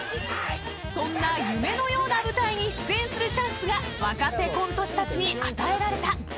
［そんな夢のような舞台に出演するチャンスが若手コント師たちに与えられた］